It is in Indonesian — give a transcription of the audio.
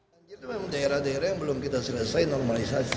banjir itu memang daerah daerah yang belum kita selesai normalisasi